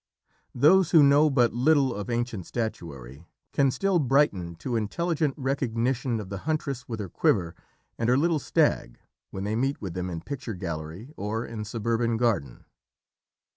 Those who know but little of ancient statuary can still brighten to intelligent recognition of the huntress with her quiver and her little stag when they meet with them in picture gallery or in suburban garden.